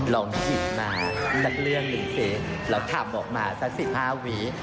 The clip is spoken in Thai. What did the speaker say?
ลองคิดมาสักเรื่องหนึ่งสิเราทำออกมาสัก๑๕วิ